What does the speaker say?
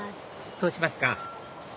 そうしますか